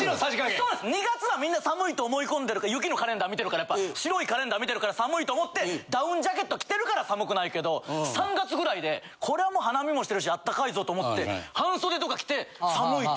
２月はみんな寒いと思い込んでるから雪のカレンダー見てるからやっぱ白いカレンダー見てるから寒いと思ってダウンジャケット着てるから寒くないけど３月ぐらいでこりゃもう花見もしてるし暖かいぞと思って半袖とか着て寒いって。